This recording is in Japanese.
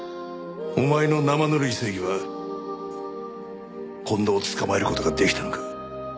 お前の生ぬるい正義は近藤を捕まえる事ができたのか？